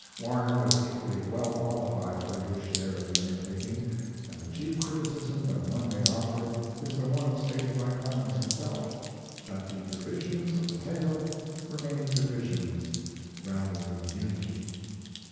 Warner was equally well qualified for his share of the undertaking, and the chief criticism that one may offer is the one stated by Clemens himself that the divisions of the tale remain divisions rather than unity.